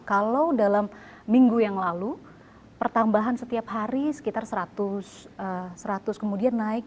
kalau dalam minggu yang lalu pertambahan setiap hari sekitar seratus kemudian naik